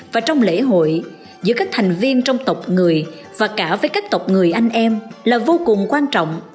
và trong lễ hội giữa các thành viên trong tộc người và cả với các tộc người anh em là vô cùng quan trọng